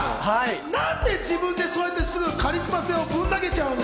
なんで自分でそうやってすぐカリスマ性をぶん投げちゃうの！